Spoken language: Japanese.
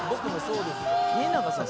「家長さん